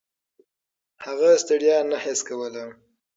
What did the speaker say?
هغه ستړیا نه حس کوله.